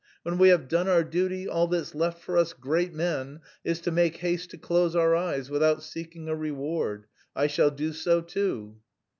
When we have done our duty, all that's left for us great men is to make haste to close our eyes without seeking a reward. I shall do so too."